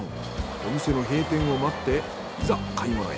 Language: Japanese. お店の閉店を待っていざ買物へ。